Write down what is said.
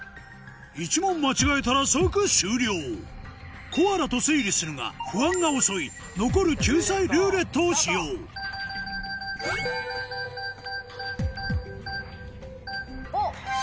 １問間違えたら即終了コアラと推理するが不安が襲い残る救済「ルーレット」を使用おっ！